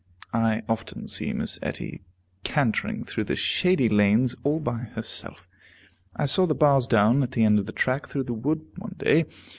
I often see Miss Etty cantering through the shady lanes all by herself. I saw the bars down, at the end of the track through the wood, one day.